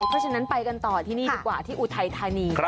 เพราะฉะนั้นไปกันต่อที่นี่ดีกว่าที่อุทัยธานี